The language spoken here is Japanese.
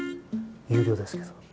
有料ですけど。